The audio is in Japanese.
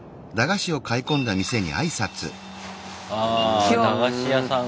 ああ駄菓子屋さん